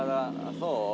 そう？